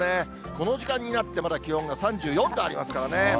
この時間になって、まだ気温が３４度ありますからね。